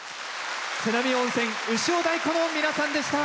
瀬波温泉潮太鼓の皆さんでした。